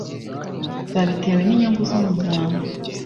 Babitewe n’ inyungu z’ Umuryango